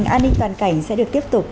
an ninh toàn cảnh sẽ được tiếp tục